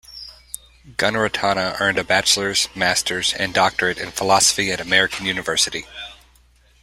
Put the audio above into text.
Gunaratana earned a bachelor's, master's, and doctorate in philosophy at American University.